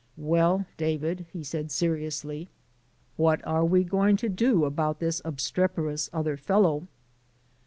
"Well, David," he said seriously, "what are we going to do about this obstreperous other fellow?"